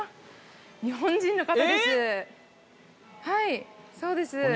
はいそうです。